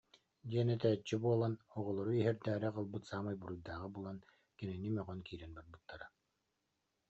диэн этээччи буолан, оҕолору иһэрдээри аҕалбыт саамай буруйдааҕы булан, кинини мөҕөн киирэн барбыттара